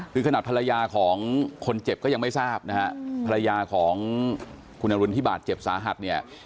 คือขนาดภรรยาของคนเจ็บก็ยังไม่ทราบนะฮะภรรยาของคุณอรุณที่บาดเจ็บสาหัสเนี่ย